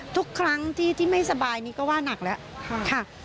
ทุกครั้งที่ไม่สบายนี่ก็ว่านักแล้วค่ะ